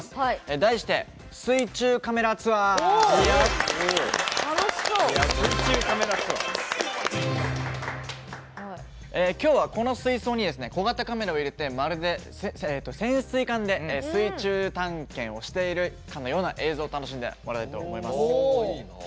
題して、「水中カメラツアー」！今日は、この水槽に小型カメラを入れてまるで潜水艦で水中探検をしているかのような映像を楽しんでもらいたいと思います。